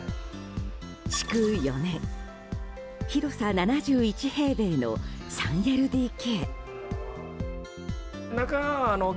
築４年広さ７１平米の３ＬＤＫ。